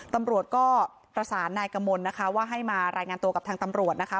ตำรวจก็ประสานนายกมลนะคะว่าให้มารายงานตัวกับทางตำรวจนะคะ